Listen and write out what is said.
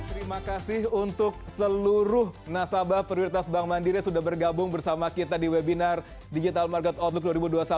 terima kasih untuk seluruh nasabah prioritas bank mandiri yang sudah bergabung bersama kita di webinar digital market online